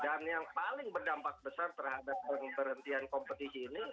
dan yang paling berdampak besar terhadap berhentian kompetisi ini